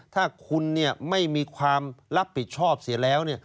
ถ้าคุณไม่มีความรับผิดชอบเสียแล้ว